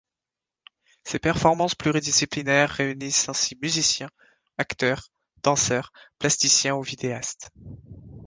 Ces performances pluridisciplinaires réunissent ainsi musiciens, acteurs, danseurs, plasticiens ou vidéastes.